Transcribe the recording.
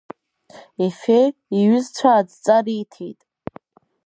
Ефе, иҩызцәа адҵа риҭеит…